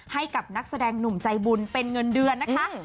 ให้กับนักแสดงหนุ่มใจบุญเป็นเงินเดือนนะคะ